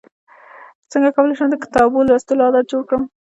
څنګه کولی شم د کتاب لوستلو عادت جوړ کړم